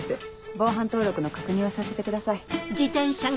防犯登録の確認をさせてください。